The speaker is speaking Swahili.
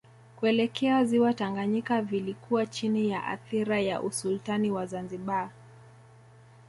Kuelekea Ziwa Tanganyika vilikuwa chini ya athira ya Usultani wa Zanzibar